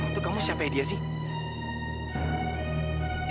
untuk kamu siapa dia sih